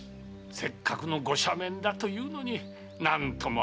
せっかくの御赦免だというのに何とも哀れな。